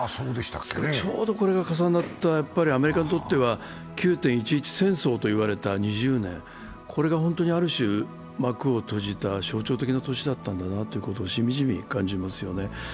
ちょうどこれが重なった、アメリカにとっては９・１１戦争と言われた２０年が本当にある種、幕を閉じた象徴的な年だったんだなと、しみじみ感じますよね。